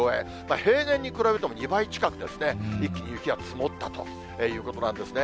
平年に比べても２倍近くですね、一気に雪が積もったということなんですね。